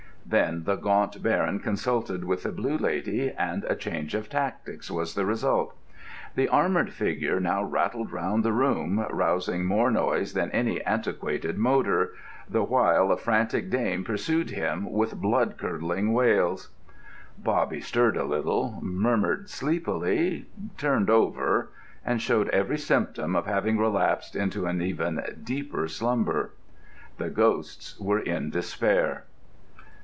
Then the Gaunt Baron consulted with the Blue Lady, and a change of tactics was the result. The armoured figure now rattled round the room, rousing more noise than any antiquated motor, the while a frantic dame pursued him with blood curdling wails. Bobby stirred a little, murmured sleepily, turned over, and showed every symptom of having relapsed into even deeper slumber. The ghosts were in despair.